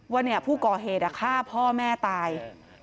ว่าเนี่ยผู้ก่อเหตุอะฆ่าพ่อแม่ตาย